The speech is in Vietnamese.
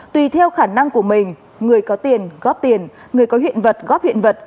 tùy theo khả năng của mình người có tiền góp tiền người có huyện vật góp huyện vật